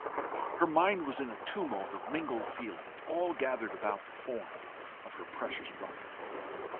Her mind was in a tumult of mingled feelings, all gathered about the form of her precious brother.